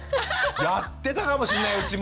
やってたかもしんないうちも。